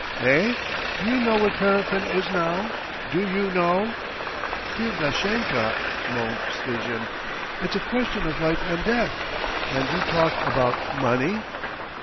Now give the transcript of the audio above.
Eh? Do you know what paraffin is now? Do you know?" "Dear Dashenka," moaned Strizhin, "it's a question of life and death, and you talk about money!"